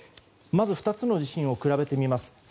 まず２つの地震を比べていきます。